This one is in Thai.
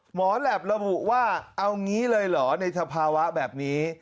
แหลประบุว่าเอางี้เลยเหรอในสภาวะแบบนี้